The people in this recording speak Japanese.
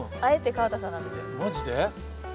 マジで？